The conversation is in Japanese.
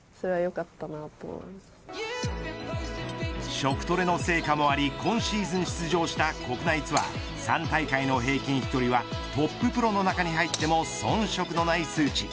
食トレの成果もあり今シーズン出場した国内ツアー３大会の平均飛距離はトッププロの中に入っても遜色のない数値。